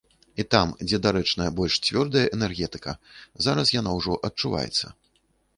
І там, дзе дарэчная больш цвёрдая энергетыка, зараз яна ўжо адчуваецца.